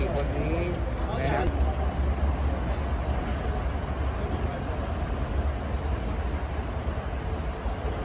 ไม่ได้